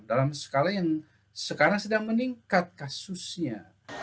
dalam skala yang sekarang sedang meningkat kasusnya